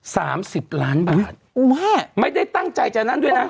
สามสิบล้านบาทโอ้แม่ไม่ได้ตั้งใจจะนั่นด้วยนะ